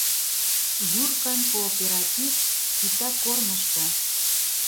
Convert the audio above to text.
ЮРКАН КООПЕРАТИВ — ТИТАК КОРНЫШТО